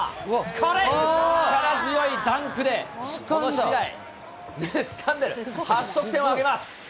これ、力強いダンクで、この試合初得点を挙げます。